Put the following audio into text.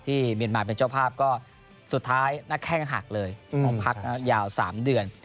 เมียนมาเป็นเจ้าภาพก็สุดท้ายนักแข้งหักเลยออกพักยาว๓เดือน